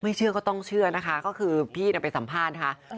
เชื่อก็ต้องเชื่อนะคะก็คือพี่ไปสัมภาษณ์นะคะ